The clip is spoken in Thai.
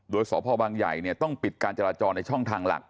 โดยสอบภาวบางใหญ่เนี่ยต้องปิดการจราจรในช่องทางหลัก